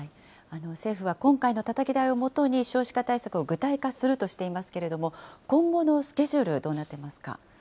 政府は今回のたたき台をもとに少子化対策を具体化するとしていますけれども、今後のスケジュール、どうなってますか。